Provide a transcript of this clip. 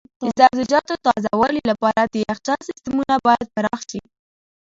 د سبزیجاتو تازه والي لپاره د یخچال سیستمونه باید پراخ شي.